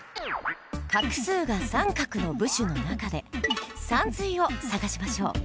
画数が三画の部首の中で「さんずい」を探しましょう。